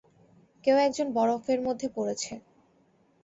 কেউ একজন বরফের মধ্যে পড়েছে।